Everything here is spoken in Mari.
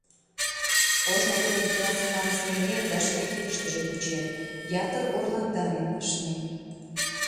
Ожно тудым суас хан сеҥен да шке кидыштыже кучен, ятыр орландарен ашнен.